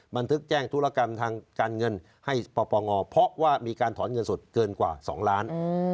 บันทึกแจ้งธุรกรรมทางการเงินให้ปปงเพราะว่ามีการถอนเงินสดเกินกว่า๒ล้าน